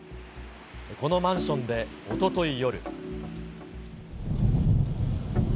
このマンションでおととい夜。